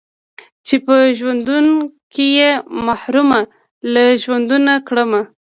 چې په ژوندون کښې يې محرومه له ژوندونه کړمه